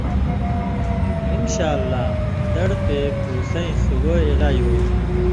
انشاءاللہ دڑ تے پُوسَیں سُگائ علاج ہوتھی۔